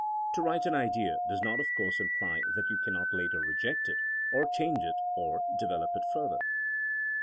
To write an idea does not of course imply that you cannot later reject it, or change it, or develop it further.